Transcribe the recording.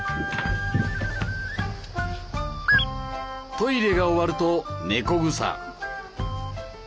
トイレが終わると猫草。